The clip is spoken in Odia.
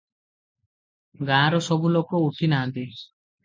ଗାଁର ସବୁ ଲୋକ ଉଠି ନାହାଁନ୍ତି ।